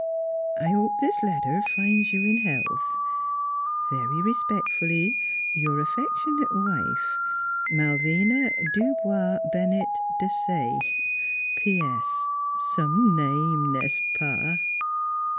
I hope this letter finds you in health. " Very respectfully, Your affectionate wife, Malvina Dubois Bennett Desaye.